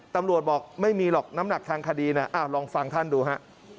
ตำรวจบอกไม่มีหรอกน้ำหนักทางคดีนะลองฟังท่านดูฮะ